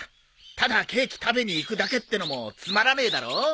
ただケーキ食べに行くだけってのもつまらねえだろ？